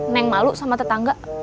neng malu sama tetangga